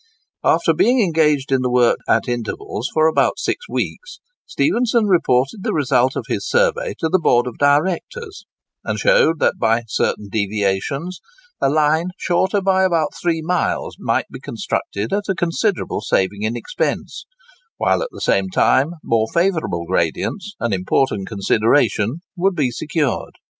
After being engaged in the work at intervals for about six weeks, Stephenson reported the result of his survey to the Board of Directors, and showed that by certain deviations, a line shorter by about three miles might be constructed at a considerable saving in expense, while at the same time more favourable gradients—an important consideration—would be secured.